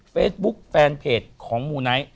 เฟซบุ๊คแฟนเพจของมูไนท์